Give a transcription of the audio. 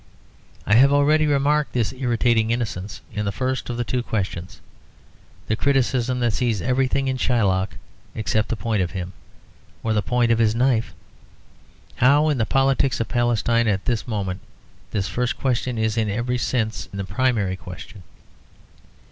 I have already remarked this irritating innocence in the first of the two questions; the criticism that sees everything in Shylock except the point of him, or the point of his knife. How in the politics of Palestine at this moment this first question is in every sense the primary question.